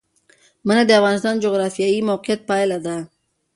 منی د افغانستان د جغرافیایي موقیعت پایله ده.